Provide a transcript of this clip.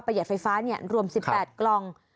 หัดไฟฟ้ารวม๑๘กล่อง